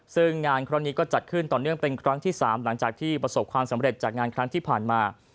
ซึ่งงานครั้งนี้ก็จัดขึ้นต่อเนื่องเป็นครั้งที่๓หลังจากที่ประสบความสำเร็จจากงานครั้งที่ผ่านมา